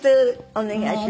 お願いします。